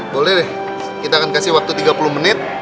boleh deh kita akan kasih waktu tiga puluh menit